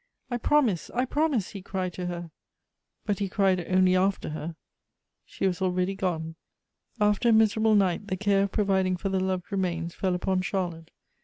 I promise, I promise !" he cried to her : but he cried only after her ; she was already gone. After a miserable night, the care of providing for the loved remains fell upon Charlotte.